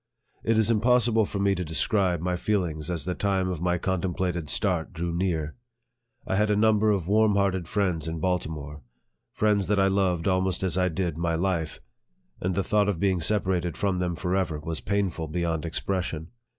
It is impossible for me to describe my feelings as the time of my contemplated start drew near. I had a number of warm hearted friends in Baltimore, friends that I loved almost as 1 did my life, and the thought of being separated from them forever was painful beyond expression.